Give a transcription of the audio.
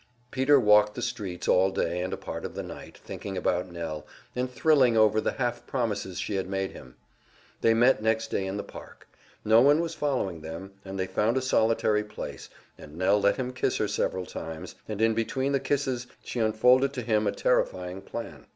Peter walked the streets all day and a part of the night, thinking about Nell, and thrilling over the half promises she had made him. They met next day in the park. No one was following them, and they found a solitary place, and Nell let him kiss her several times, and in between the kisses she unfolded to him a terrifying plan.